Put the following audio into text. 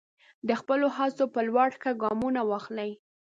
د خپلو هڅو په لور ښه ګامونه واخلئ.